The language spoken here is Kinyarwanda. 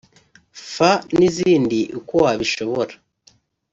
F n’izindi uko wabishobora